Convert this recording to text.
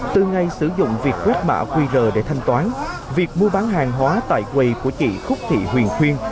từ ngày sử dụng việc quét mã qr để thanh toán việc mua bán hàng hóa tại quầy của chị khúc thị huyền khuyên